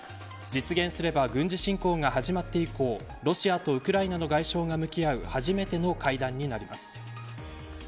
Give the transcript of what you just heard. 実現すれば軍事侵攻が始まって以降ロシアとウクライナの外相が向き合う初めての会談になります。